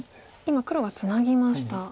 今黒がツナぎました。